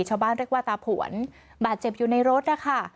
ชาวบ้านเรียกว่าตาผวนบาดเจ็บอยู่ในรถนะคะ